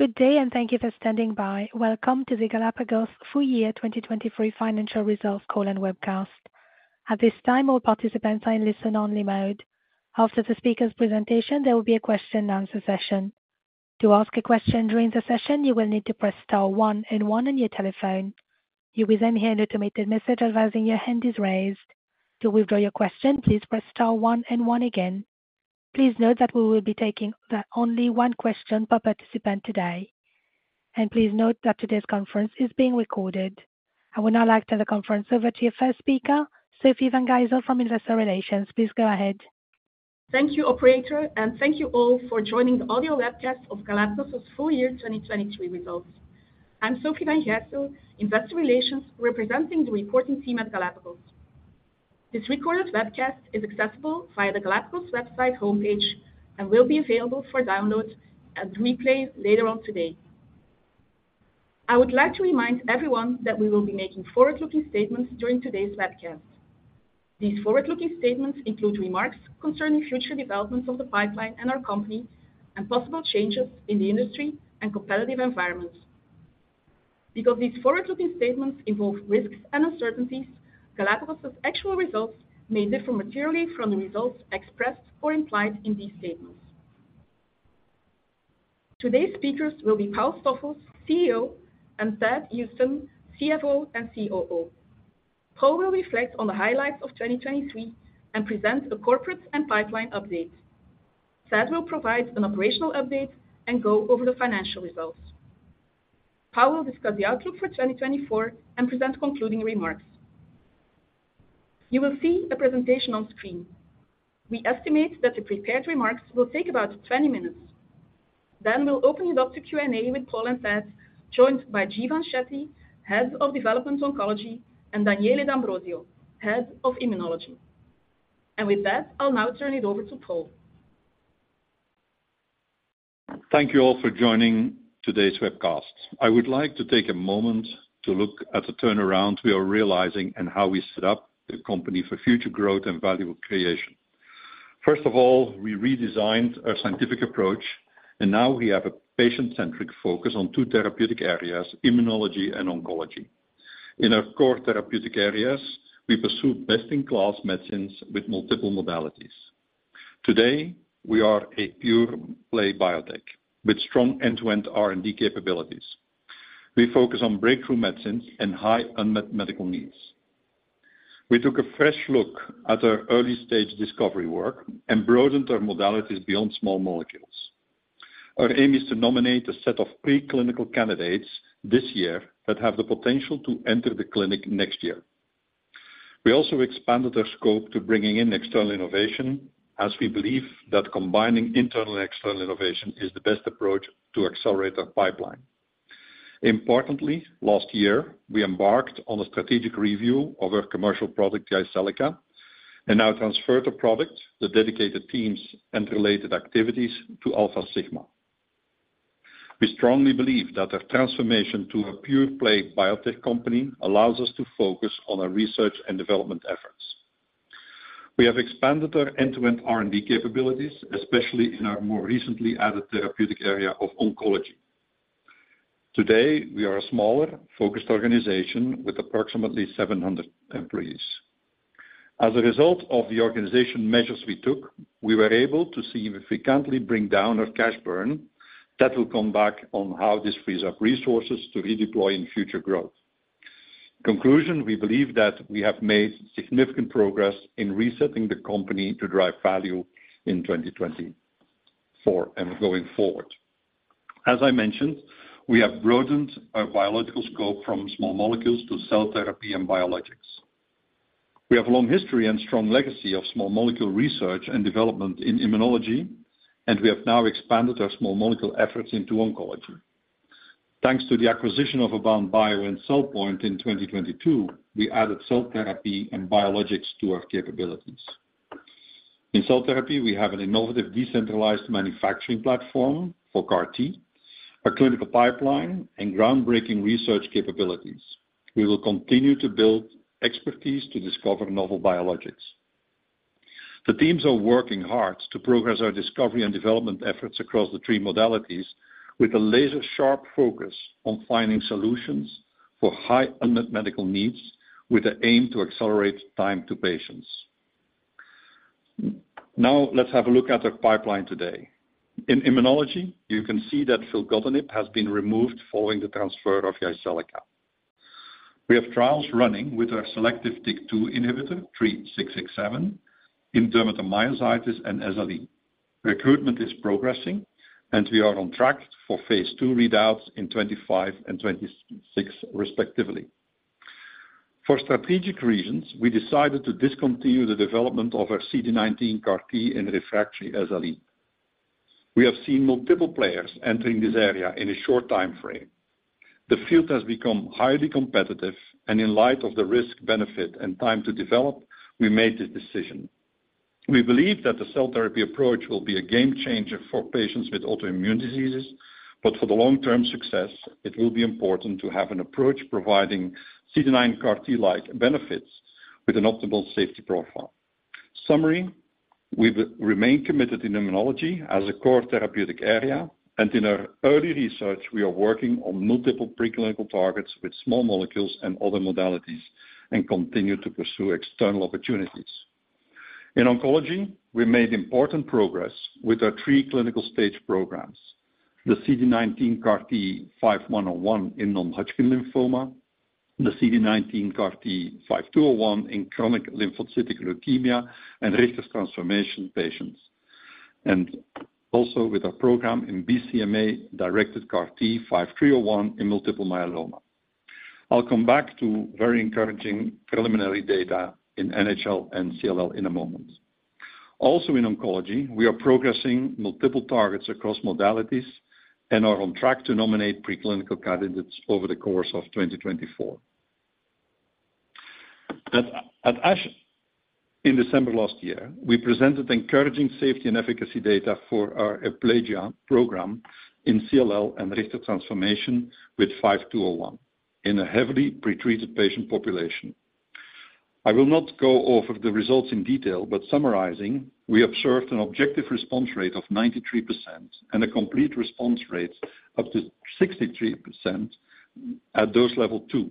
Good day, and thank you for standing by. Welcome to the Galapagos full year 2023 financial results call and webcast. At this time, all participants are in listen-only mode. After the speaker's presentation, there will be a question and answer session. To ask a question during the session, you will need to press star one and one on your telephone. You will then hear an automated message advising your hand is raised. To withdraw your question, please press star one and one again. Please note that we will be taking only one question per participant today, and please note that today's conference is being recorded. I would now like to hand the conference over to your first speaker, Sofie Van Gijsel from Investor Relations. Please go ahead. Thank you, operator, and thank you all for joining the audio webcast of Galapagos's full year 2023 results. I'm Sofie Van Gijsel, Investor Relations, representing the reporting team at Galapagos. This recorded webcast is accessible via the Galapagos website homepage and will be available for download and replay later on today. I would like to remind everyone that we will be making forward-looking statements during today's webcast. These forward-looking statements include remarks concerning future developments of the pipeline and our company and possible changes in the industry and competitive environments. Because these forward-looking statements involve risks and uncertainties, Galapagos's actual results may differ materially from the results expressed or implied in these statements. Today's speakers will be Paul Stoffels, CEO, and Thad Huston, CFO and COO. Paul will reflect on the highlights of 2023 and present a corporate and pipeline update. Thad will provide an operational update and go over the financial results. Paul will discuss the outlook for 2024 and present concluding remarks. You will see the presentation on screen. We estimate that the prepared remarks will take about 20 minutes. Then we'll open it up to Q&A with Paul and Thad, joined by Jeevan Shetty, Head of Development Oncology, and Daniele D’Ambrosio, Head of Immunology. With that, I'll now turn it over to Paul. Thank you all for joining today's webcast. I would like to take a moment to look at the turnaround we are realizing and how we set up the company for future growth and value creation. First of all, we redesigned our scientific approach, and now we have a patient-centric focus on two therapeutic areas, immunology and oncology. In our core therapeutic areas, we pursue best-in-class medicines with multiple modalities. Today, we are a pure-play biotech with strong end-to-end R&D capabilities. We focus on breakthrough medicines and high unmet medical needs. We took a fresh look at our early-stage discovery work and broadened our modalities beyond small molecules. Our aim is to nominate a set of preclinical candidates this year that have the potential to enter the clinic next year. We also expanded our scope to bringing in external innovation, as we believe that combining internal and external innovation is the best approach to accelerate our pipeline. Importantly, last year, we embarked on a strategic review of our commercial product, Jyseleca, and now transfer the product, the dedicated teams, and related activities to Alfasigma. We strongly believe that our transformation to a pure-play biotech company allows us to focus on our research and development efforts. We have expanded our end-to-end R&D capabilities, especially in our more recently added therapeutic area of oncology. Today, we are a smaller, focused organization with approximately 700 employees. As a result of the organization measures we took, we were able to significantly bring down our cash burn. That will come back on how this frees up resources to redeploy in future growth. Conclusion: we believe that we have made significant progress in resetting the company to drive value in 2024 and going forward. As I mentioned, we have broadened our biological scope from small molecules to cell therapy and biologics. We have a long history and strong legacy of small molecule research and development in immunology, and we have now expanded our small molecule efforts into oncology. Thanks to the acquisition of Abound Bio and CellPoint in 2022, we added cell therapy and biologics to our capabilities. In cell therapy, we have an innovative, decentralized manufacturing platform for CAR-T, a clinical pipeline, and groundbreaking research capabilities. We will continue to build expertise to discover novel biologics. The teams are working hard to progress our discovery and development efforts across the three modalities with a laser-sharp focus on finding solutions for high unmet medical needs, with the aim to accelerate time to patients. Now, let's have a look at our pipeline today. In immunology, you can see that filgotinib has been removed following the transfer of Jyseleca. We have trials running with our selective TYK2 inhibitor, GLPG3667, in dermatomyositis and SLE. Recruitment is progressing, and we are on track for phase II readouts in 2025 and 2026, respectively. For strategic reasons, we decided to discontinue the development of our CD19 CAR-T in refractory SLE. We have seen multiple players entering this area in a short time frame. The field has become highly competitive, and in light of the risk, benefit, and time to develop, we made this decision. We believe that the cell therapy approach will be a game changer for patients with autoimmune diseases, but for the long-term success, it will be important to have an approach providing CD19 CAR-T-like benefits with an optimal safety profile. Summary, we've remained committed in immunology as a core therapeutic area, and in our early research, we are working on multiple preclinical targets with small molecules and other modalities, and continue to pursue external opportunities. In oncology, we made important progress with our three clinical-stage programs, the CD19 CAR-T 5101 in non-Hodgkin lymphoma, the CD19 CAR-T 5201 in chronic lymphocytic leukemia and Richter's transformation patients, and also with our program in BCMA-directed CAR-T 5301 in multiple myeloma. I'll come back to very encouraging preliminary data in NHL and CLL in a moment. Also, in oncology, we are progressing multiple targets across modalities and are on track to nominate preclinical candidates over the course of 2024. At ASH, in December last year, we presented encouraging safety and efficacy data for our EUPLAGIA program in CLL and Richter's transformation with GLPG5201 in a heavily pretreated patient population. I will not go over the results in detail, but summarizing, we observed an objective response rate of 93% and a complete response rate up to 63% at dose level two.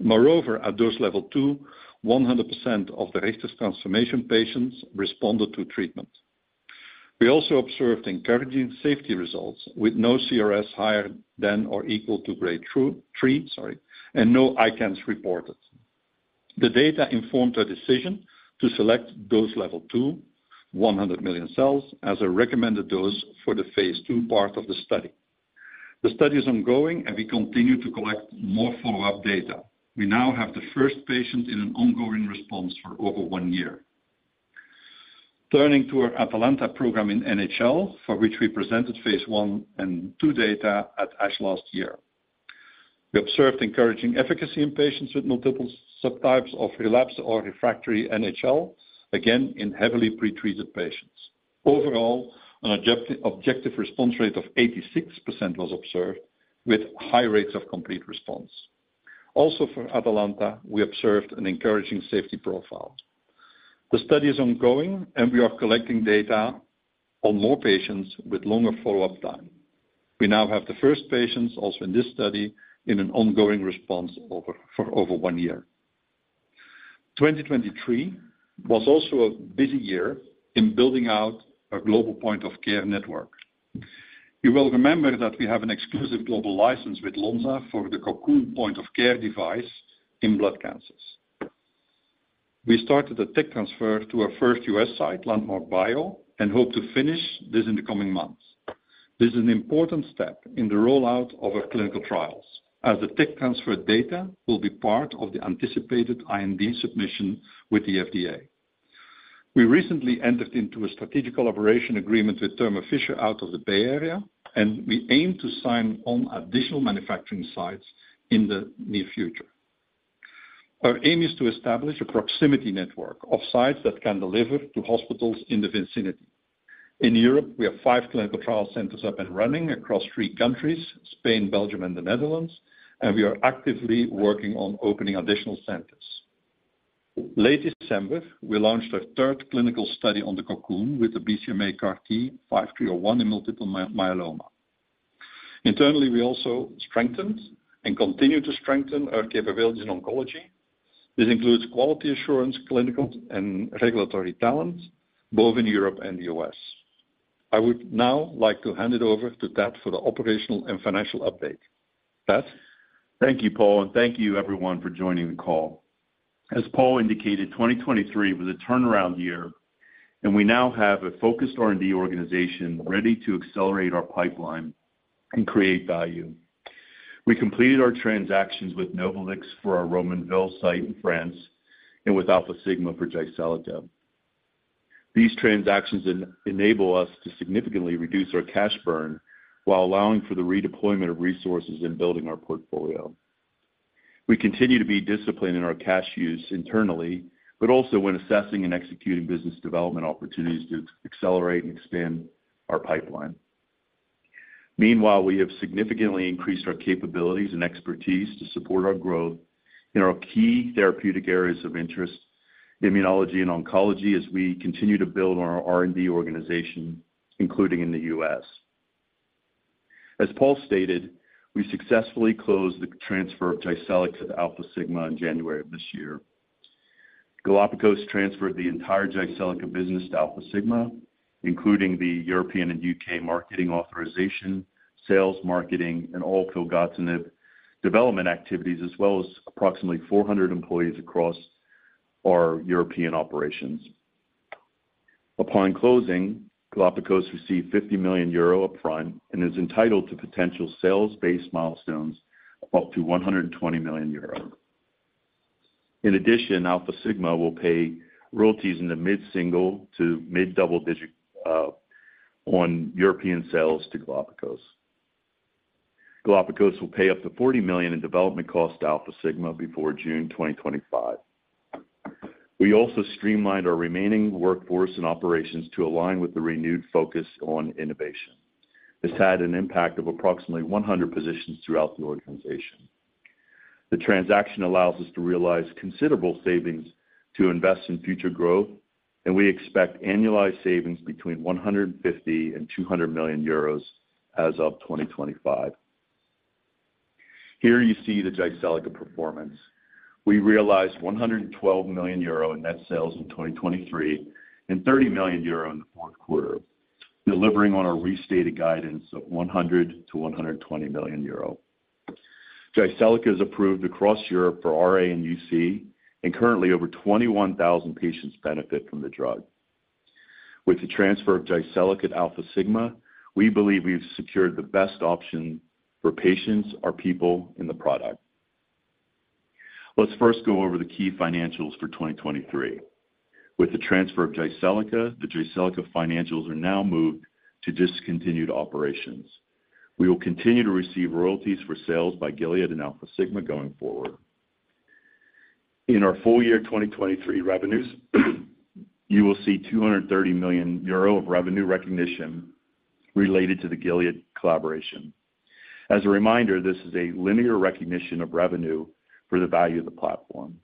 Moreover, at dose level two, 100% of the Richter's transformation patients responded to treatment. We also observed encouraging safety results with no CRS higher than or equal to grade three and no ICANS reported. The data informed our decision to select dose level two, 100 million cells, as a recommended dose for the phase II part of the study. The study is ongoing, and we continue to collect more follow-up data. We now have the first patient in an ongoing response for over one year. Turning to our ATALANTA program in NHL, for which we presented phase I and II data at ASH last year. We observed encouraging efficacy in patients with multiple subtypes of relapsed or refractory NHL, again, in heavily pretreated patients. Overall, an objective response rate of 86% was observed with high rates of complete response. Also, for ATALANTA, we observed an encouraging safety profile. The study is ongoing, and we are collecting data on more patients with longer follow-up time. We now have the first patients, also in this study, in an ongoing response for over one year. 2023 was also a busy year in building out a global point-of-care network. You will remember that we have an exclusive global license with Lonza for the Cocoon point-of-care device in blood cancers. We started a tech transfer to our first U.S. site, Landmark Bio, and hope to finish this in the coming months. This is an important step in the rollout of our clinical trials, as the tech transfer data will be part of the anticipated IND submission with the FDA. We recently entered into a strategic collaboration agreement with Thermo Fisher out of the Bay Area, and we aim to sign on additional manufacturing sites in the near future. Our aim is to establish a proximity network of sites that can deliver to hospitals in the vicinity. In Europe, we have five clinical trial centers up and running across three countries, Spain, Belgium, and the Netherlands, and we are actively working on opening additional centers. Late December, we launched a third clinical study on the Cocoon with the BCMA CAR-T 5301, in multiple myeloma. Internally, we also strengthened and continue to strengthen our capabilities in oncology. This includes quality assurance, clinical and regulatory talent, both in Europe and the U.S. I would now like to hand it over to Thad for the operational and financial update. Thad? Thank you, Paul, and thank you everyone for joining the call. As Paul indicated, 2023 was a turnaround year, and we now have a focused R&D organization ready to accelerate our pipeline and create value. We completed our transactions with NovAliX for our Romainville site in France and with Alfasigma for Jyseleca. These transactions enable us to significantly reduce our cash burn while allowing for the redeployment of resources in building our portfolio. We continue to be disciplined in our cash use internally, but also when assessing and executing business development opportunities to accelerate and expand our pipeline. Meanwhile, we have significantly increased our capabilities and expertise to support our growth in our key therapeutic areas of interest, immunology and oncology, as we continue to build on our R&D organization, including in the U.S. As Paul stated, we successfully closed the transfer of Jyseleca to Alfasigma in January of this year. Galapagos transferred the entire Jyseleca business to Alfasigma, including the European and U.K. marketing authorization, sales, marketing, and all filgotinib development activities, as well as approximately 400 employees across our European operations. Upon closing, Galapagos received 50 million euro upfront and is entitled to potential sales-based milestones up to 120 million euro. In addition, Alfasigma will pay royalties in the mid-single to mid-double digit on European sales to Galapagos. Galapagos will pay up to 40 million in development costs to Alfasigma before June 2025. We also streamlined our remaining workforce and operations to align with the renewed focus on innovation. This had an impact of approximately 100 positions throughout the organization.... The transaction allows us to realize considerable savings to invest in future growth, and we expect annualized savings between 150 million and 200 million euros as of 2025. Here you see the Jyseleca performance. We realized 112 million euro in net sales in 2023, and 30 million euro in the fourth quarter, delivering on our restated guidance of 100 million-120 million euro. Jyseleca is approved across Europe for RA and UC, and currently, over 21,000 patients benefit from the drug. With the transfer of Jyseleca to Alfasigma, we believe we've secured the best option for patients, our people, and the product. Let's first go over the key financials for 2023. With the transfer of Jyseleca, the Jyseleca financials are now moved to discontinued operations. We will continue to receive royalties for sales by Gilead and Alfasigma going forward. In our full year 2023 revenues, you will see 230 million euro of revenue recognition related to the Gilead collaboration. As a reminder, this is a linear recognition of revenue for the value of the platform.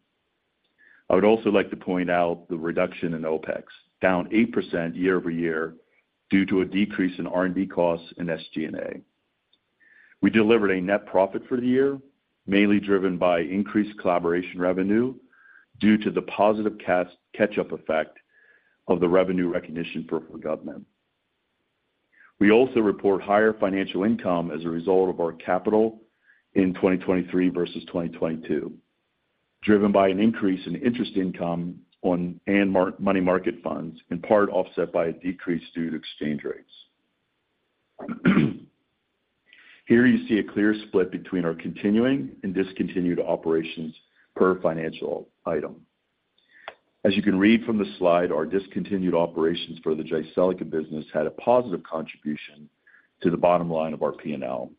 I would also like to point out the reduction in OpEx, down 8% year-over-year due to a decrease in R&D costs and SG&A. We delivered a net profit for the year, mainly driven by increased collaboration revenue due to the positive catch-up effect of the revenue recognition for filgotinib. We also report higher financial income as a result of our capital in 2023 versus 2022, driven by an increase in interest income on money market funds, in part offset by a decrease due to exchange rates. Here you see a clear split between our continuing and discontinued operations per financial item. As you can read from the slide, our discontinued operations for the Jyseleca business had a positive contribution to the bottom line of our P&L,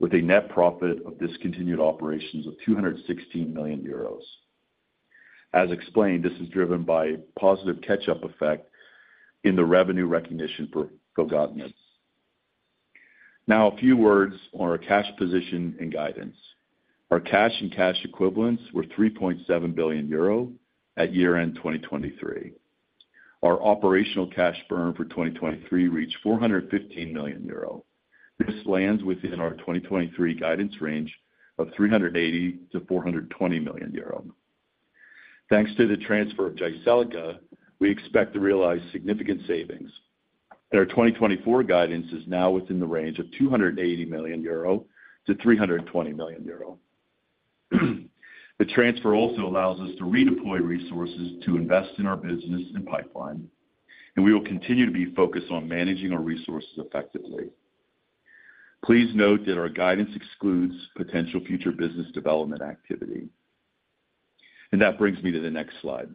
with a net profit of discontinued operations of 216 million euros. As explained, this is driven by positive catch-up effect in the revenue recognition for filgotinib. Now, a few words on our cash position and guidance. Our cash and cash equivalents were 3.7 billion euro at year-end 2023. Our operational cash burn for 2023 reached 415 million euro. This lands within our 2023 guidance range of 380 million-420 million euro. Thanks to the transfer of Jyseleca, we expect to realize significant savings, and our 2024 guidance is now within the range of 280 million-320 million euro. The transfer also allows us to redeploy resources to invest in our business and pipeline, and we will continue to be focused on managing our resources effectively. Please note that our guidance excludes potential future business development activity. That brings me to the next slide.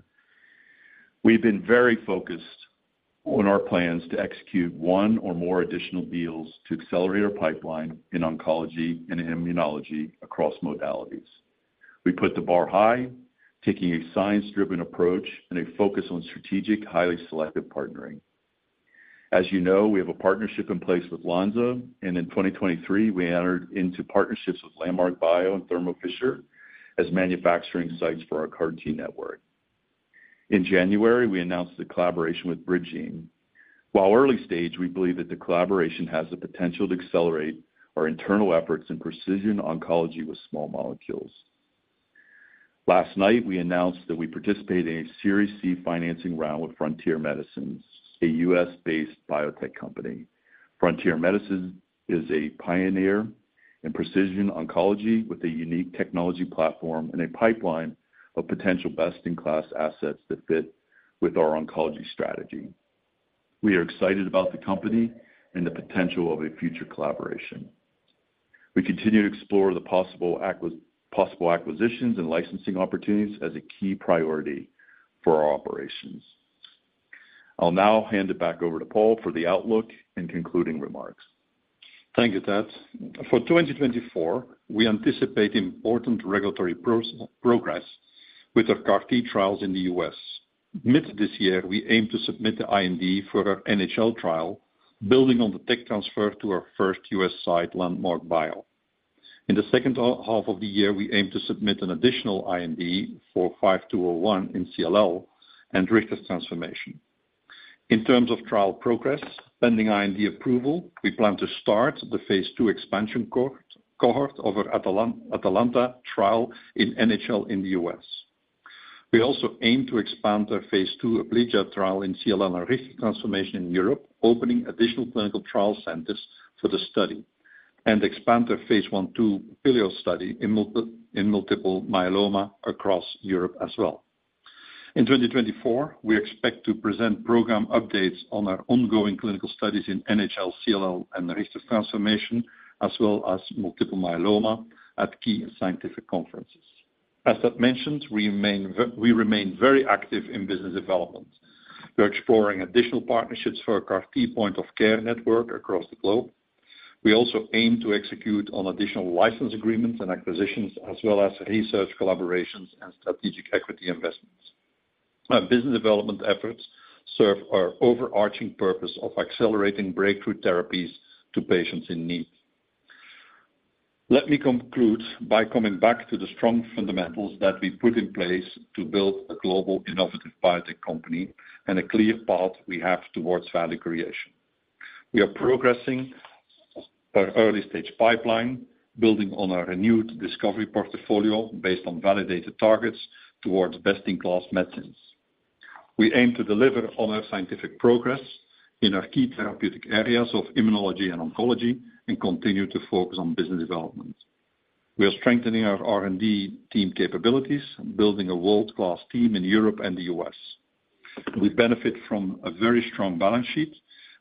We've been very focused on our plans to execute one or more additional deals to accelerate our pipeline in oncology and immunology across modalities. We put the bar high, taking a science-driven approach and a focus on strategic, highly selective partnering. As you know, we have a partnership in place with Lonza, and in 2023, we entered into partnerships with Landmark Bio and Thermo Fisher as manufacturing sites for our CAR-T network. In January, we announced the collaboration with BridGene. While early stage, we believe that the collaboration has the potential to accelerate our internal efforts in precision oncology with small molecules. Last night, we announced that we participated in a Series C financing round with Frontier Medicines, a U.S.-based biotech company. Frontier Medicines is a pioneer in precision oncology, with a unique technology platform and a pipeline of potential best-in-class assets that fit with our oncology strategy. We are excited about the company and the potential of a future collaboration. We continue to explore the possible acquisitions and licensing opportunities as a key priority for our operations. I'll now hand it back over to Paul for the outlook and concluding remarks. Thank you, Thad. For 2024, we anticipate important regulatory progress with our CAR-T trials in the U.S. Mid this year, we aim to submit the IND for our NHL trial, building on the tech transfer to our first U.S. site, Landmark Bio. In the second half of the year, we aim to submit an additional IND for 5201 in CLL and Richter's transformation. In terms of trial progress, pending IND approval, we plan to start the phase II expansion cohort of our ATALANTA-1 trial in NHL in the U.S. We also aim to expand our phase II EUPLAGIA-1 trial in CLL and Richter's transformation in Europe, opening additional clinical trial centers for the study, and expand our phase I/II PAPILIO study in multiple myeloma across Europe as well. In 2024, we expect to present program updates on our ongoing clinical studies in NHL, CLL, and Richter's transformation, as well as multiple myeloma at key scientific conferences. As Thad mentioned, we remain very active in business development. We're exploring additional partnerships for our key point-of-care network across the globe. We also aim to execute on additional license agreements and acquisitions, as well as research collaborations and strategic equity investments.... Our business development efforts serve our overarching purpose of accelerating breakthrough therapies to patients in need. Let me conclude by coming back to the strong fundamentals that we put in place to build a global innovative biotech company and a clear path we have towards value creation. We are progressing our early stage pipeline, building on our renewed discovery portfolio based on validated targets towards best-in-class medicines. We aim to deliver on our scientific progress in our key therapeutic areas of immunology and oncology, and continue to focus on business development. We are strengthening our R&D team capabilities, building a world-class team in Europe and the U.S. We benefit from a very strong balance sheet,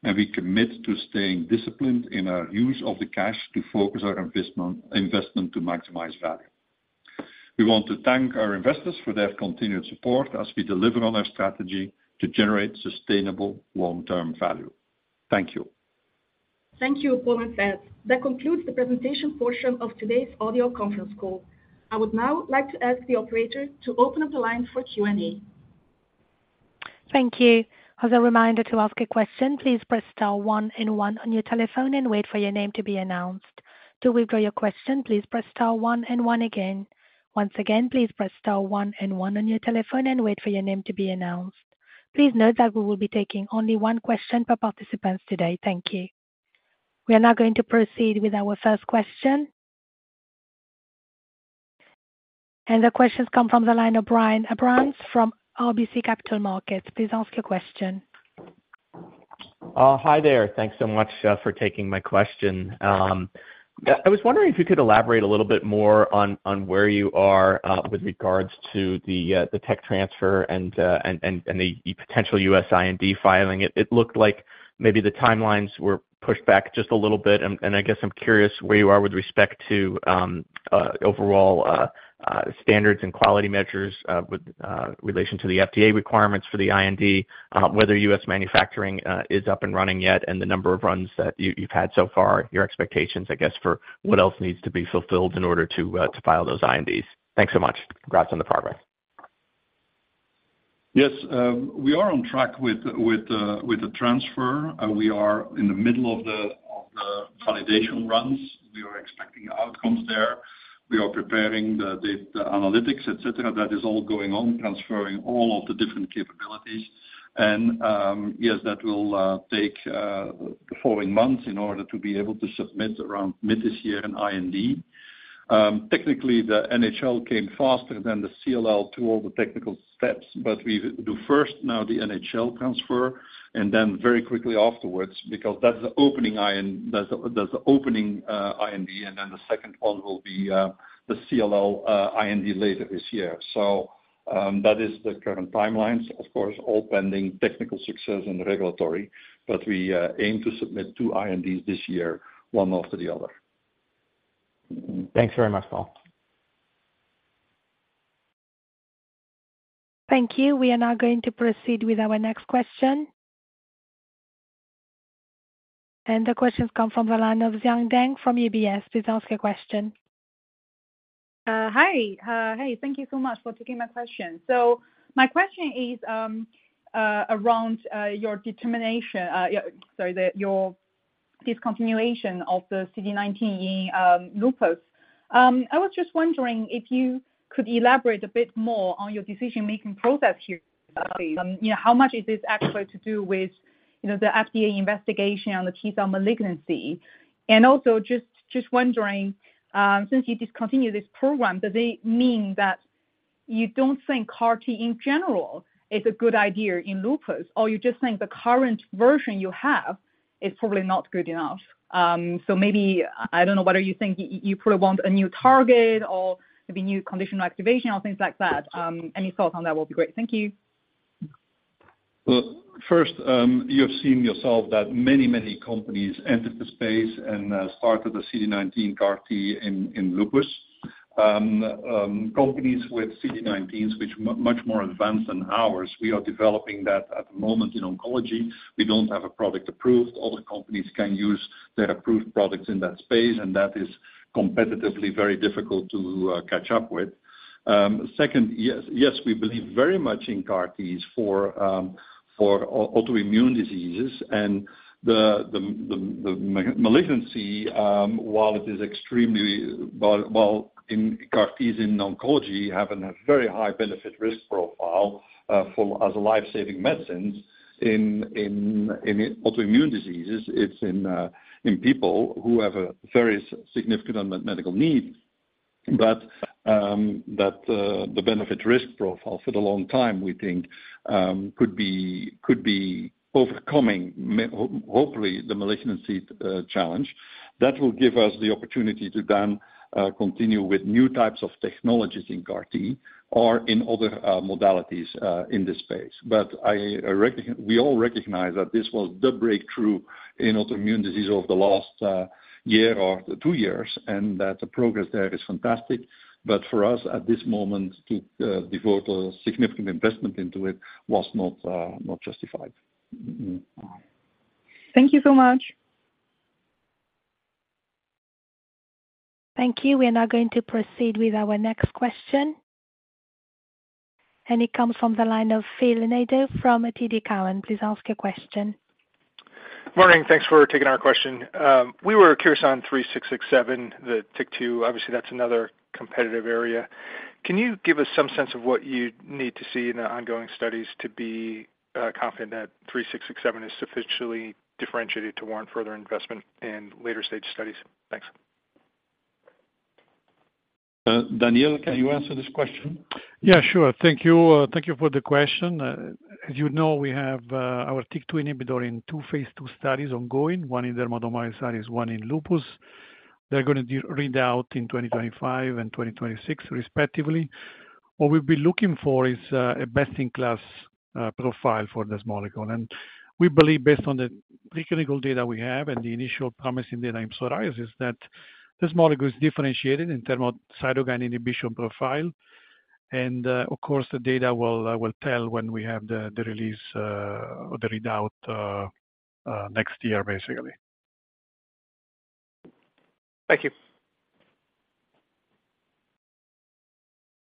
and we commit to staying disciplined in our use of the cash to focus our investment to maximize value. We want to thank our investors for their continued support as we deliver on our strategy to generate sustainable long-term value. Thank you. Thank you, Paul and Thad. That concludes the presentation portion of today's audio conference call. I would now like to ask the operator to open up the line for Q&A. Thank you. As a reminder, to ask a question, please press star one and one on your telephone and wait for your name to be announced. To withdraw your question, please press star one and one again. Once again, please press star one and one on your telephone and wait for your name to be announced. Please note that we will be taking only one question per participants today. Thank you. We are now going to proceed with our first question. The question comes from the line of Brian Abrahams from RBC Capital Markets. Please ask your question. Hi there. Thanks so much for taking my question. I was wondering if you could elaborate a little bit more on where you are with regards to the tech transfer and the potential U.S. IND filing. It looked like maybe the timelines were pushed back just a little bit, and I guess I'm curious where you are with respect to overall standards and quality measures with relation to the FDA requirements for the IND, whether U.S. manufacturing is up and running yet, and the number of runs that you've had so far, your expectations, I guess, for what else needs to be fulfilled in order to file those INDs. Thanks so much. Congrats on the progress. Yes, we are on track with the transfer, and we are in the middle of the validation runs. We are expecting outcomes there. We are preparing the analytics, et cetera, that is all going on, transferring all of the different capabilities. And yes, that will take the following months in order to be able to submit around mid this year an IND. Technically, the NHL came faster than the CLL through all the technical steps, but we do first now the NHL transfer, and then very quickly afterwards, because that's the opening IND. That's the opening IND, and then the second one will be the CLL IND later this year. That is the current timelines, of course, all pending technical success and regulatory, but we aim to submit two INDs this year, one after the other. Thanks very much, Paul. Thank you. We are now going to proceed with our next question. The question comes from the line of Xian Deng from UBS. Please ask your question. Hi. Hey, thank you so much for taking my question. So my question is around your discontinuation of the CD19 in lupus. I was just wondering if you could elaborate a bit more on your decision-making process here. You know, how much is this actually to do with, you know, the FDA investigation on the T cell malignancy? And also, just wondering, since you discontinued this program, does it mean that you don't think CAR-T in general is a good idea in lupus, or you just think the current version you have is probably not good enough? So maybe, I don't know, whether you think you probably want a new target or maybe new conditional activation or things like that. Any thoughts on that will be great. Thank you. Well, first, you've seen yourself that many, many companies entered the space and started the CD19 CAR-T in lupus. Companies with CD19s, which much more advanced than ours, we are developing that at the moment in oncology. We don't have a product approved. Other companies can use their approved products in that space, and that is competitively very difficult to catch up with. Second, yes, yes, we believe very much in CAR-Ts for autoimmune diseases and the malignancy, while in CAR-Ts in oncology have a very high benefit risk profile, for as a life-saving medicines in autoimmune diseases, it's in people who have a very significant unmet medical needs. But the benefit-risk profile for the long time, we think, could be overcoming hopefully the malignancy challenge. That will give us the opportunity to then continue with new types of technologies in CAR-T or in other modalities in this space. But we all recognize that this was the breakthrough in autoimmune disease over the last year or two years, and that the progress there is fantastic. But for us, at this moment, to devote a significant investment into it was not justified. Mm-hmm. Thank you so much. Thank you. We are now going to proceed with our next question. It comes from the line of Phil Nadeau from TD Cowen. Please ask your question. Morning. Thanks for taking our question. We were curious on GLPG3667, the TYK2, obviously, that's another competitive area. Can you give us some sense of what you'd need to see in the ongoing studies to be confident that GLPG3667 is sufficiently differentiated to warrant further investment in later-stage studies? Thanks. Daniele, can you answer this question? Yeah, sure. Thank you. Thank you for the question. As you know, we have our TYK2 inhibitor in two phase two studies ongoing, one in dermatomyositis, one in lupus. They're gonna do readout in 2025 and 2026, respectively. What we've been looking for is a best-in-class profile for this molecule. And we believe, based on the preclinical data we have and the initial promise in the psoriasis, that this molecule is differentiated in terms of cytokine inhibition profile. And, of course, the data will tell when we have the release or the readout next year, basically. Thank you.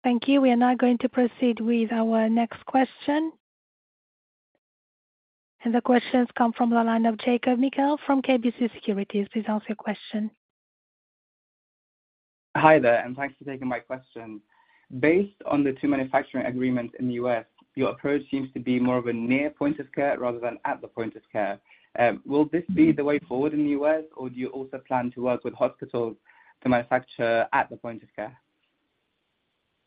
Thank you. We are now going to proceed with our next question. The question's come from the line of Jacob Mekhael from KBC Securities. Please ask your question. Hi there, and thanks for taking my question. Based on the two manufacturing agreements in the U.S., your approach seems to be more of a near point of care rather than at the point of care. Will this be the way forward in the U.S., or do you also plan to work with hospitals to manufacture at the point of care?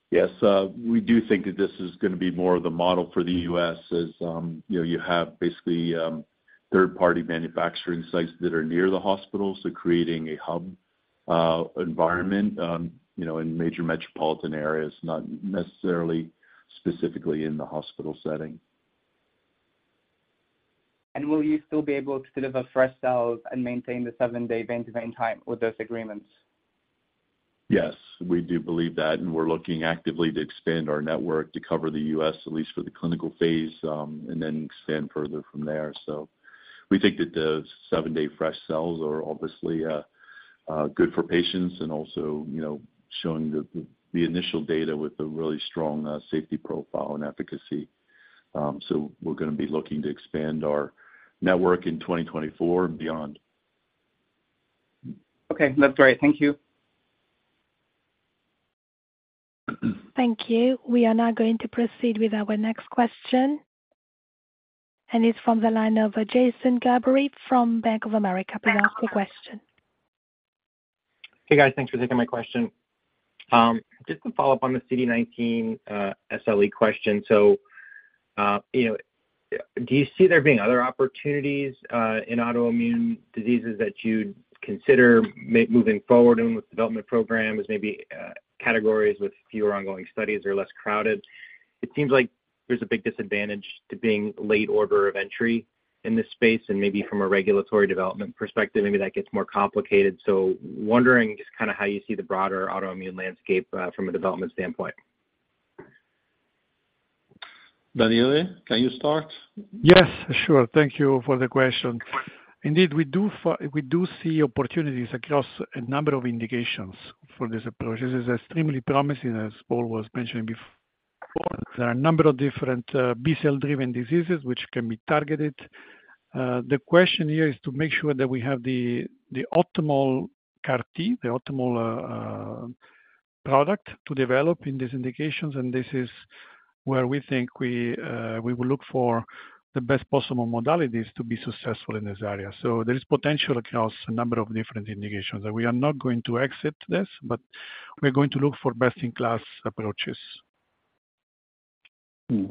Yes, we do think that this is gonna be more of the model for the U.S. as, you know, you have basically third-party manufacturing sites that are near the hospital, so creating a hub environment, you know, in major metropolitan areas, not necessarily specifically in the hospital setting. Will you still be able to deliver fresh cells and maintain the seven-day end-to-end time with those agreements? Yes, we do believe that, and we're looking actively to expand our network to cover the U.S., at least for the clinical phase, and then expand further from there. So we think that the seven-day fresh cells are obviously good for patients and also, you know, showing the initial data with a really strong safety profile and efficacy. So we're gonna be looking to expand our network in 2024 and beyond. Okay, that's great. Thank you. Thank you. We are now going to proceed with our next question, and it's from the line of Jason Gerberry from Bank of America. Please ask your question. Hey, guys. Thanks for taking my question. Just to follow up on the CD19 SLE question, you know, do you see there being other opportunities in autoimmune diseases that you'd consider moving forward with development programs, maybe categories with fewer ongoing studies or less crowded? It seems like there's a big disadvantage to being late order of entry in this space, and maybe from a regulatory development perspective, maybe that gets more complicated. So wondering just kind of how you see the broader autoimmune landscape from a development standpoint. Daniele, can you start? Yes, sure. Thank you for the question. Indeed, we do see opportunities across a number of indications for this approach. This is extremely promising, as Paul was mentioning before. There are a number of different B-cell-driven diseases which can be targeted. The question here is to make sure that we have the optimal CAR-T, the optimal product to develop in these indications, and this is where we think we will look for the best possible modalities to be successful in this area. So there is potential across a number of different indications, and we are not going to exit this, but we're going to look for best-in-class approaches. Hmm.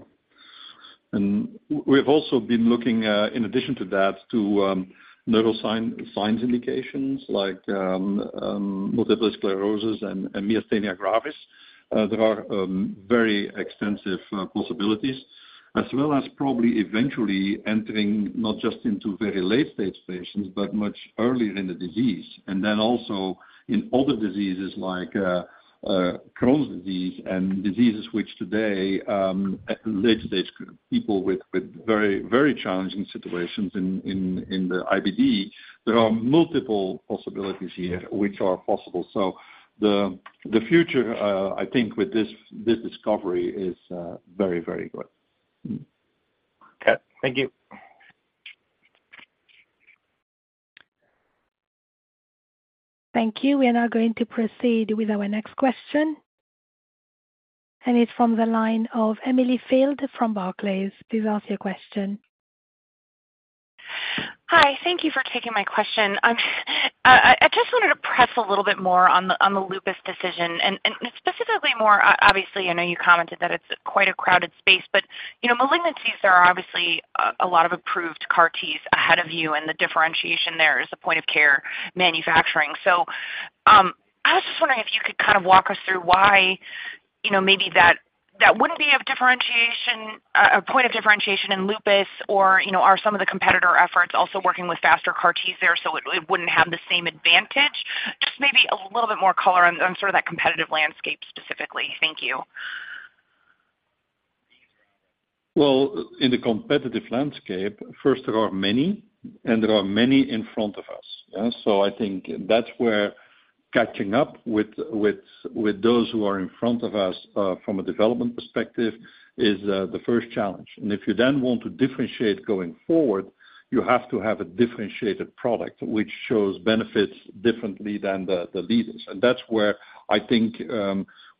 And we've also been looking, in addition to that, to neuroscience indications like multiple sclerosis and myasthenia gravis. There are very extensive possibilities, as well as probably eventually entering not just into very late-stage patients, but much earlier in the disease. And then also in other diseases like Crohn's disease and diseases which today, at late stage, people with very, very challenging situations in the IBD. There are multiple possibilities here which are possible. So the future, I think with this discovery is very, very good. Hmm. Okay. Thank you. Thank you. We are now going to proceed with our next question, and it's from the line of Emily Field from Barclays. Please ask your question. Hi. Thank you for taking my question. I just wanted to press a little bit more on the lupus decision, and specifically more, obviously, I know you commented that it's quite a crowded space, but you know, malignancies, there are obviously a lot of approved CAR-Ts ahead of you, and the differentiation there is the point-of-care manufacturing. So, I was just wondering if you could kind of walk us through why, you know, maybe that wouldn't be of differentiation, a point of differentiation in lupus or, you know, are some of the competitor efforts also working with faster CAR-Ts there, so it wouldn't have the same advantage? Just maybe a little bit more color on sort of that competitive landscape specifically. Thank you.... Well, in the competitive landscape, first, there are many, and there are many in front of us, yeah? So I think that's where catching up with those who are in front of us from a development perspective is the first challenge. And if you then want to differentiate going forward, you have to have a differentiated product, which shows benefits differently than the leaders. And that's where I think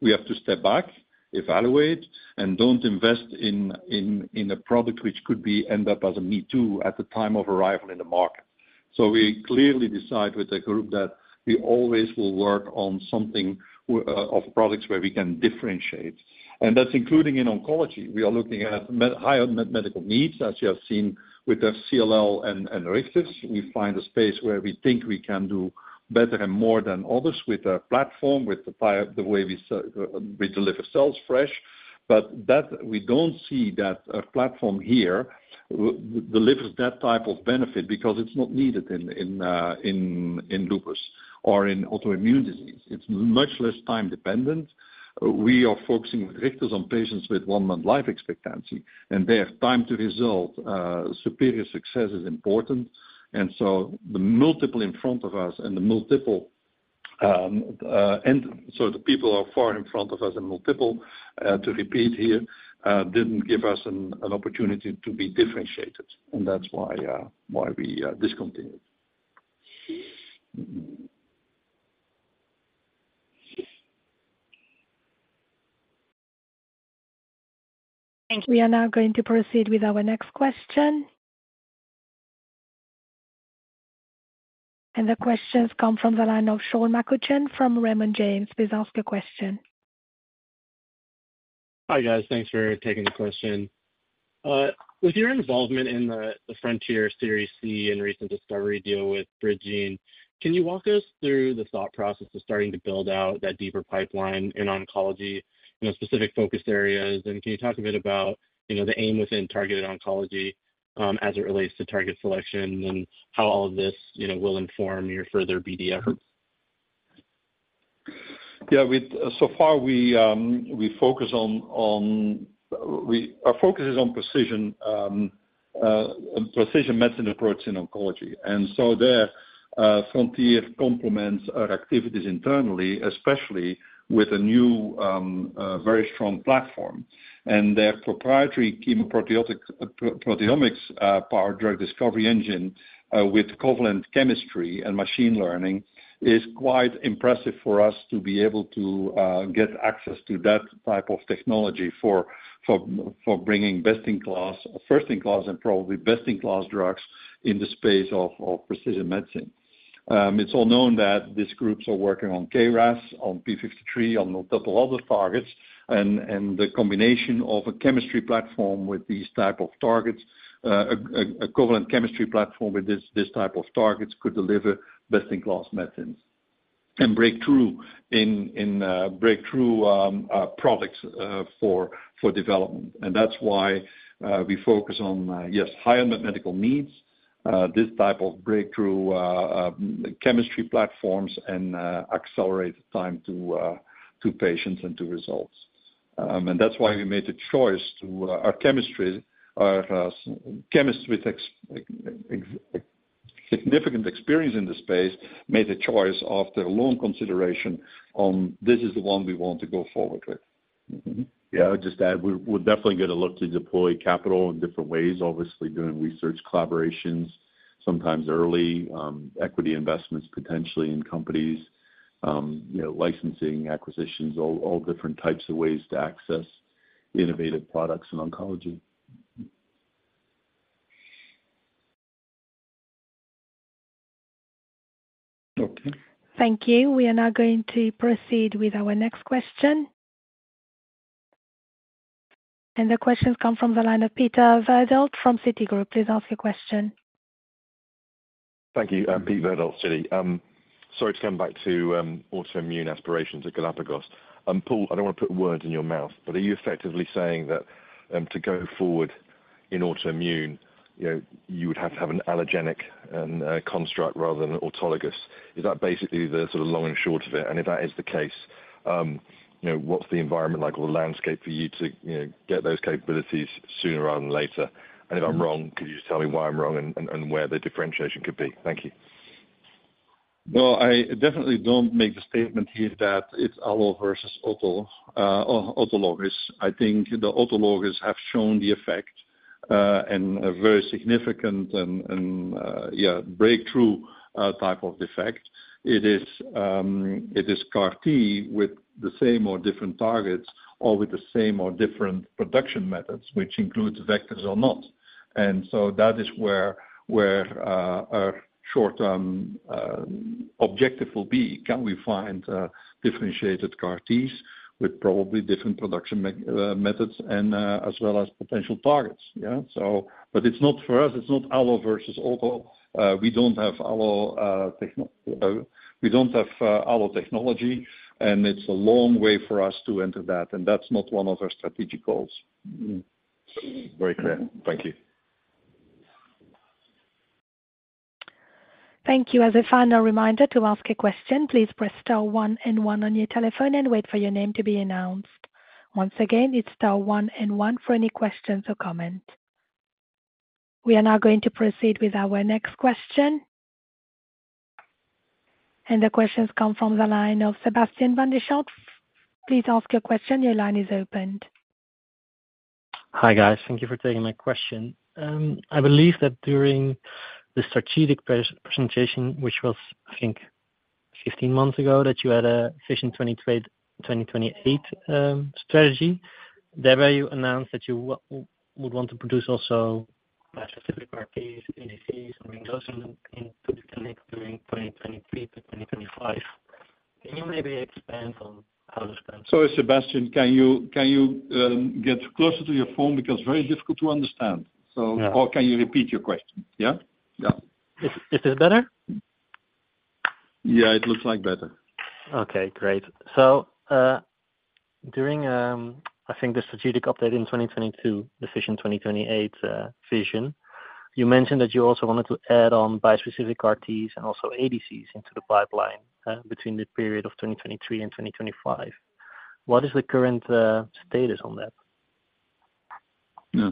we have to step back, evaluate, and don't invest in a product which could end up as a me-too at the time of arrival in the market. So we clearly decide with the group that we always will work on something of products where we can differentiate. And that's including in oncology. We are looking at met higher medical needs, as you have seen with the CLL and Richter's. We find a space where we think we can do better and more than others with a platform, the way we deliver cells fresh. But that, we don't see that platform here that delivers that type of benefit because it's not needed in lupus or in autoimmune disease. It's much less time dependent. We are focusing our CAR-Ts on patients with one month life expectancy, and there, time to result, superior success is important. And so the multiple in front of us and the multiple... And so the people are far in front of us, and multiple, to repeat here, didn't give us an opportunity to be differentiated, and that's why we discontinued. Thank you. We are now going to proceed with our next question. The question's come from the line of Sean McCutcheon from Raymond James. Please ask your question. Hi, guys. Thanks for taking the question. With your involvement in the Frontier Series C and recent discovery deal with BridGene, can you walk us through the thought process of starting to build out that deeper pipeline in oncology, you know, specific focus areas? And can you talk a bit about, you know, the aim within targeted oncology, as it relates to target selection, and how all of this, you know, will inform your further BD efforts? So far, our focus is on precision medicine approach in oncology. And so, Frontier complements our activities internally, especially with a new, very strong platform. And their proprietary chemoproteomics-powered drug discovery engine, with covalent chemistry and machine learning, is quite impressive for us to be able to get access to that type of technology for bringing best-in-class, or first-in-class, and probably best-in-class drugs in the space of precision medicine. It's all known that these groups are working on KRAS, on p53, on a couple other targets, and the combination of a chemistry platform with these type of targets, a covalent chemistry platform with this type of targets could deliver best-in-class methods and breakthrough in breakthrough products for development. That's why we focus on yes, higher medical needs, this type of breakthrough chemistry platforms, and accelerated time to patients and to results. That's why we made the choice to our chemistry, our chemist with extensive experience in this space, made a choice after long consideration on this is the one we want to go forward with. Mm-hmm. Yeah, I'd just add, we're definitely going to look to deploy capital in different ways, obviously, doing research collaborations, sometimes early equity investments, potentially in companies, you know, licensing, acquisitions, all different types of ways to access innovative products in oncology. Okay. Thank you. We are now going to proceed with our next question. The question's come from the line of Peter Verdult from Citigroup. Please ask your question. Thank you. Peter Verdult, Citi. Sorry to come back to autoimmune aspirations at Galapagos. Paul, I don't want to put words in your mouth, but are you effectively saying that to go forward in autoimmune, you know, you would have to have an allogeneic construct rather than autologous? Is that basically the sort of long and short of it? And if that is the case, you know, what's the environment like or the landscape for you to, you know, get those capabilities sooner rather than later? And if I'm wrong, could you just tell me why I'm wrong and where the differentiation could be? Thank you. Well, I definitely don't make the statement here that it's allo versus auto, or autologous. I think the autologous have shown the effect, and a very significant, yeah, breakthrough type of effect. It is, it is CAR-T with the same or different targets or with the same or different production methods, which includes vectors or not. And so that is where our short-term objective will be: Can we find differentiated CAR-Ts with probably different production methods and as well as potential targets? Yeah, so... But it's not for us, it's not allo versus auto. We don't have allo technology, and it's a long way for us to enter that, and that's not one of our strategic goals. Mm-hmm. Very clear. Thank you.... Thank you. As a final reminder, to ask a question, please press star one and one on your telephone and wait for your name to be announced. Once again, it's star one and one for any questions or comments. We are now going to proceed with our next question. The question's come from the line of Sebastiaan van der Schoot. Please ask your question. Your line is opened. Hi, guys. Thank you for taking my question. I believe that during the strategic presentation, which was, I think, 15 months ago, that you had a vision 2028 strategy. Thereby, you announced that you would want to produce also specific CAR-Ts, ADCs, and bring those into the clinic during 2023-2025. Can you maybe expand on how those plans? Sorry, Sebastiaan, can you, can you, get closer to your phone? Because very difficult to understand. Yeah. So... Or, can you repeat your question? Yeah? Yeah. Is this better? Yeah, it looks like better. Okay, great. So, during, I think the strategic update in 2022, the vision 2028, vision, you mentioned that you also wanted to add on bispecific CAR-Ts and also ADCs into the pipeline, between the period of 2023 and 2025. What is the current status on that? Yeah.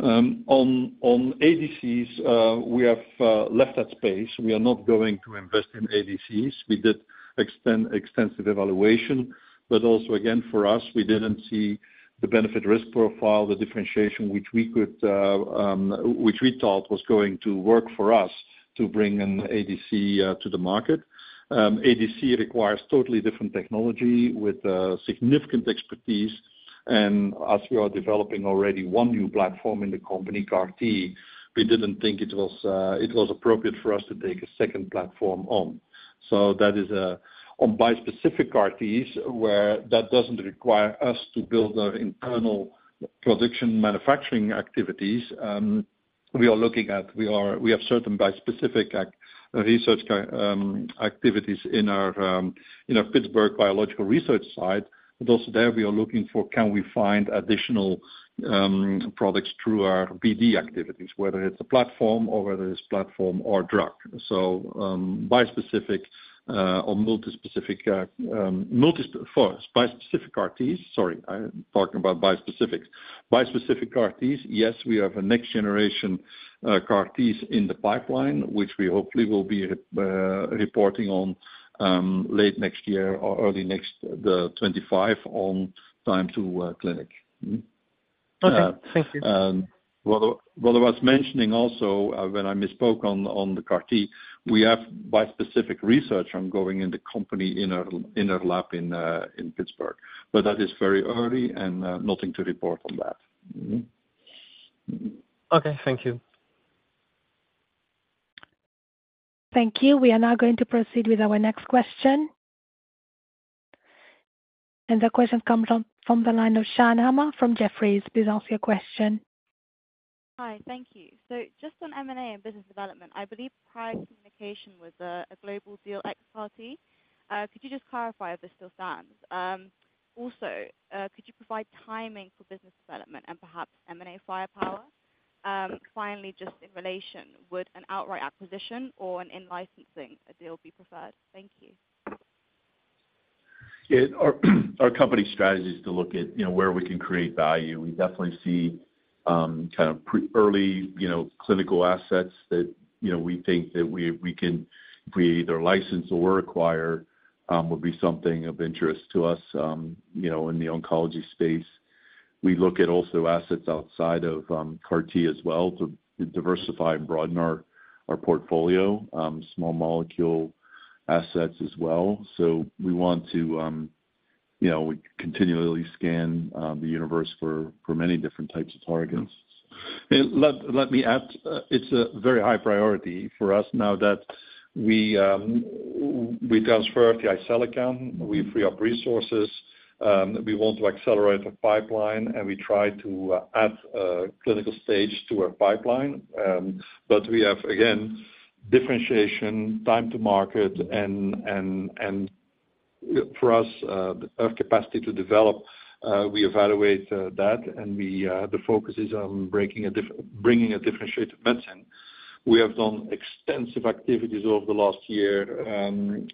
On ADCs, we have left that space. We are not going to invest in ADCs. We did an extensive evaluation, but also again, for us, we didn't see the benefit-risk profile, the differentiation which we thought was going to work for us to bring an ADC to the market. ADC requires totally different technology with significant expertise, and as we are developing already one new platform in the company, CAR-T, we didn't think it was appropriate for us to take a second platform on. That is on bispecific CAR-Ts, where that doesn't require us to build our internal production manufacturing activities, we are looking at. We are, we have certain bispecific research activities in our Pittsburgh biological research site. But also there, we are looking for, can we find additional products through our BD activities, whether it's a platform or drug. So, bispecific or multispecific, bispecific CAR-Ts. Sorry, I'm talking about bispecific. Bispecific CAR-Ts, yes, we have a next generation CAR-Ts in the pipeline, which we hopefully will be reporting on, late next year or early 2025, on time to clinic. Mm-hmm. Okay. Thank you. What I was mentioning also, when I misspoke on the CAR-T, we have bispecific research ongoing in the company, in our lab in Pittsburgh, but that is very early and nothing to report on that. Mm-hmm. Okay, thank you. Thank you. We are now going to proceed with our next question. The question comes from the line of Brian Balchin from Jefferies. Please ask your question. Hi, thank you. Just on M&A and business development, I believe prior communication with a global deal ex-party. Could you just clarify if this still stands? Also, could you provide timing for business development and perhaps M&A firepower? Finally, just in relation, would an outright acquisition or an in-licensing a deal be preferred? Thank you. Yeah. Our company strategy is to look at, you know, where we can create value. We definitely see kind of pre-early, you know, clinical assets that, you know, we think that we can either license or acquire would be something of interest to us, you know, in the oncology space. We look at also assets outside of CAR-T as well, to diversify and broaden our portfolio, small molecule assets as well. So we want to, you know, we continually scan the universe for many different types of targets. Let me add, it's a very high priority for us now that we transfer the Jyseleca, we free up resources, we want to accelerate the pipeline, and we try to add clinical stage to our pipeline. But we have, again, differentiation, time to market and for us have capacity to develop, we evaluate that, and the focus is on bringing a differentiated medicine. We have done extensive activities over the last year, and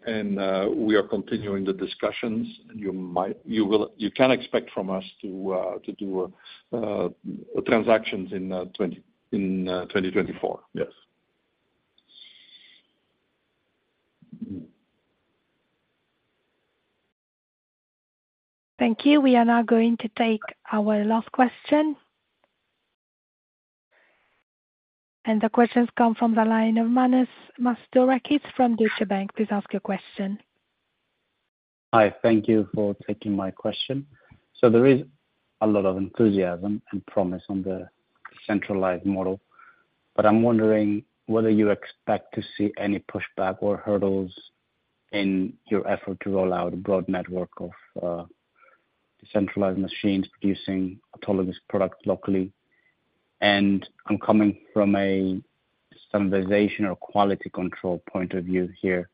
we are continuing the discussions. You will, you can expect from us to do transactions in 2024. Yes. Thank you. We are now going to take our last question. The question's come from the line of Manos Mastorakis from Deutsche Bank. Please ask your question. Hi, thank you for taking my question. So there is a lot of enthusiasm and promise on the centralized model, but I'm wondering whether you expect to see any pushback or hurdles in your effort to roll out a broad network of decentralized machines producing autologous products locally. And I'm coming from a standardization or quality control point of view here.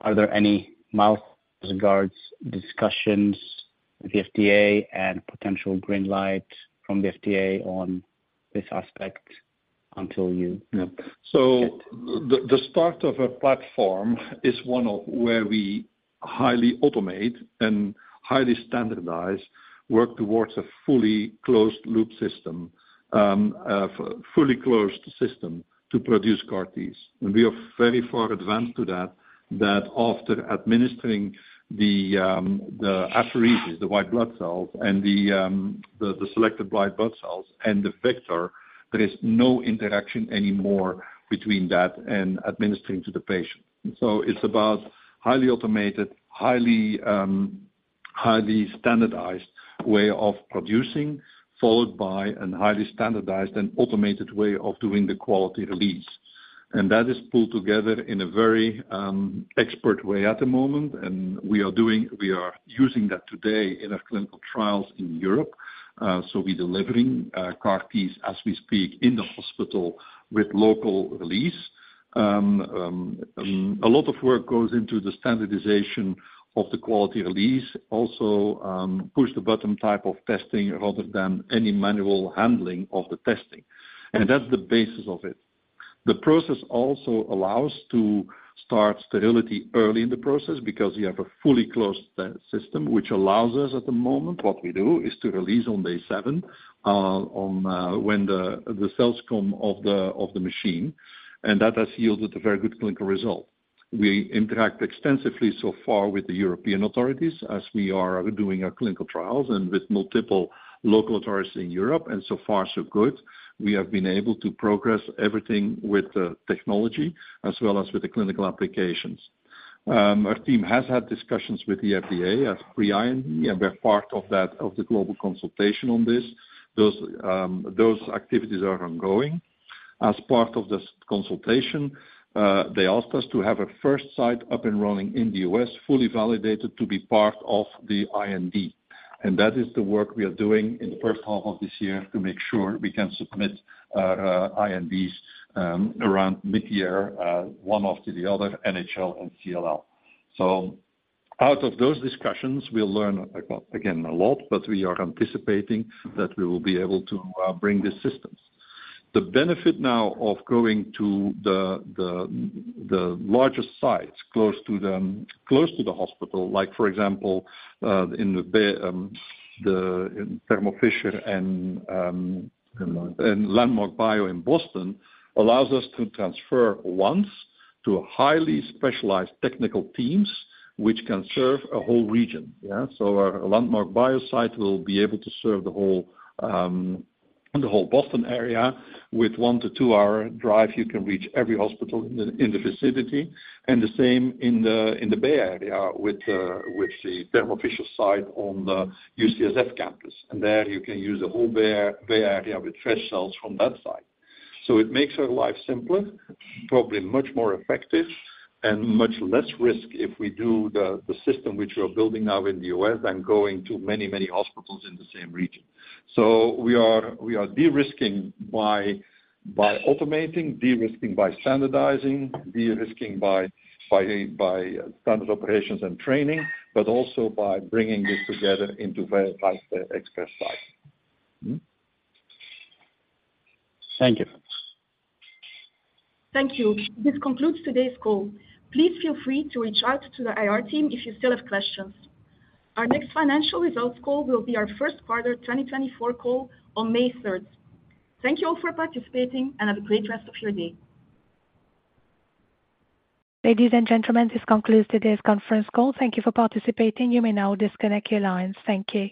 Are there any major regulatory discussions with the FDA and potential green light from the FDA on this aspect? Thank you. So the start of a platform is one of where we highly automate and highly standardize work towards a fully closed loop system, fully closed system to produce CAR-Ts. And we are very far advanced to that, that after administering the apheresis, the white blood cells, and the selected white blood cells and the vector, there is no interaction anymore between that and administering to the patient. So it's about highly automated, highly standardized way of producing, followed by a highly standardized and automated way of doing the quality release. And that is pulled together in a very expert way at the moment, and we are using that today in our clinical trials in Europe. So we're delivering CAR-Ts as we speak, in the hospital with local release. A lot of work goes into the standardization of the quality release, also, push the button type of testing rather than any manual handling of the testing, and that's the basis of it. The process also allows to start sterility early in the process because you have a fully closed, system, which allows us at the moment, what we do, is to release on day seven, on, when the, the cells come off the, off the machine, and that has yielded a very good clinical result. We interact extensively so far with the European authorities as we are doing our clinical trials and with multiple local authorities in Europe, and so far so good. We have been able to progress everything with the technology as well as with the clinical applications. Our team has had discussions with the FDA as pre-IND, and we're part of that global consultation on this. Those activities are ongoing. As part of this consultation, they asked us to have a first site up and running in the U.S., fully validated to be part of the IND, and that is the work we are doing in the first half of this year to make sure we can submit INDs around mid-year, one after the other, NHL and CLL. So out of those discussions, we'll learn, again, a lot, but we are anticipating that we will be able to bring these systems. The benefit now of going to the larger sites close to the hospital, like for example, in the bay... Thermo Fisher and Landmark Bio in Boston allows us to transfer once to highly specialized technical teams, which can serve a whole region, yeah? So our Landmark Bio site will be able to serve the whole Boston area. With one- to two-hour drive, you can reach every hospital in the vicinity, and the same in the Bay Area with the Thermo Fisher site on the UCSF campus. And there, you can use the whole Bay Area with fresh cells from that site. So it makes our life simpler, probably much more effective and much less risk if we do the system which we are building now in the U.S. than going to many, many hospitals in the same region. So we are de-risking by automating, de-risking by standardizing, de-risking by standard operations and training, but also by bringing this together into very high-expert site. Thank you. Thank you. This concludes today's call. Please feel free to reach out to the IR team if you still have questions. Our next financial results call will be our first quarter 2024 call on May 3rd. Thank you all for participating, and have a great rest of your day. Ladies and gentlemen, this concludes today's conference call. Thank you for participating. You may now disconnect your lines. Thank you.